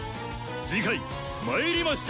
次回「魔入りました！